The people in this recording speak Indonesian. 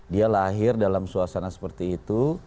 dia lahir dalam suasana seperti itu